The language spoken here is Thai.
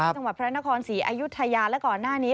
จังหวัดพระนครศรีอายุทยาและก่อนหน้านี้